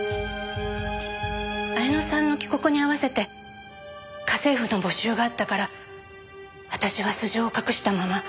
彩乃さんの帰国に合わせて家政婦の募集があったから私は素性を隠したまま。